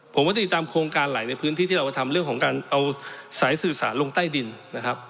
ผมว่าติดตามโครงการหลายในพื้นที่ที่เรามาทำเรื่องของการเอาสายสื่อสารลงใต้ดินนะครับ